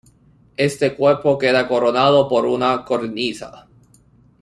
Este cuerpo queda coronado por una cornisa.